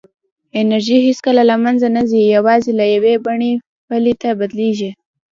انرژي هېڅکله له منځه نه ځي، یوازې له یوې بڼې بلې ته بدلېږي.